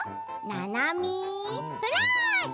「ななみフラッシュ！」。